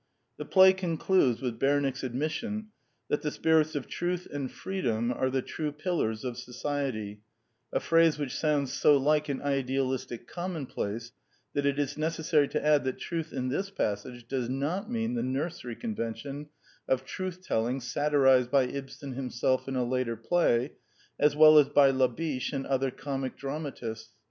The play concludes with Bemick's admission that the spirits of Truth and Freedom are the true pillars of society, a phrase which sounds so like an idealistic commonplace that it is necessary to add that Truth in this passage does not mean the nursery convention of truth telling satirized by Ibsen himself in a later play, as well as by Labiche and other comic dramatists.